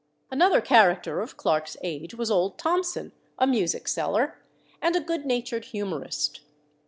Another character of Clarke's age was old Thomson, a music seller, and a good natured humourist.